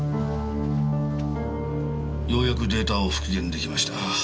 ようやくデータを復元できました。